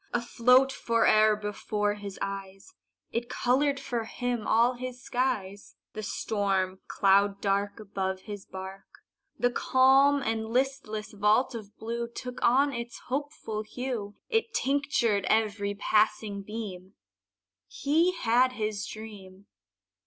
Afloat fore'er before his eyes, It colored for him all his skies: The storm cloud dark Above his bark, The calm and listless vault of blue Took on its hopeful hue, It tinctured every passing beam He had his dream.